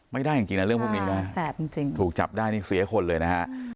ไม่ได้จริงนะเรื่องพวกนี้นะแสบจริงถูกจับได้นี่เสียคนเลยนะฮะ